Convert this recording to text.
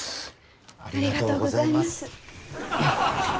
ありがとうございます。